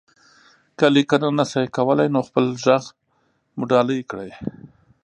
که ليکنه نشئ کولی، نو خپل غږ مو ډالۍ کړئ.